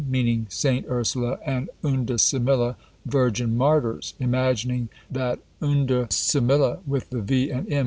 M._ meaning St. Ursula and Undecimilla, Virgin Martyrs; imagining that Undecimilla with the V. and _M.